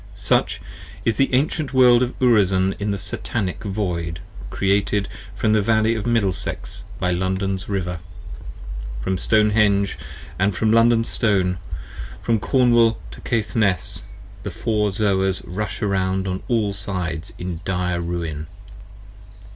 Such is the Ancient World of Urizen in the Satanic Void, 45 Created from the Valley of Middlesex by London's River. From Stone henge and from London Stone, from Cornwall to Cathnes, The Four Zoas rush around on all sides in dire ruin.